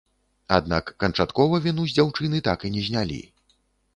Аднак канчаткова віну з дзяўчыны так і не знялі.